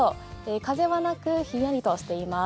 風はなくひんやりとしています。